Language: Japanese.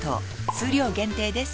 数量限定です